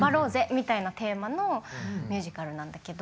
みたいなテーマのミュージカルなんだけど。